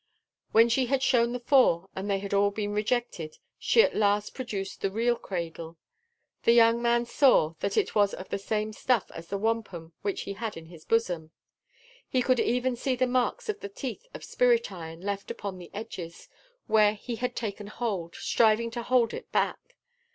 When she had shown the four, and they had all been rejected, she at last produced the real cradle. The young man saw that it was of the same stuff as the wampum which he had in his bosom. He could even see the marks of the teeth of Spirit Iron left upon the edges, where he had taken hold, striving to hold it back.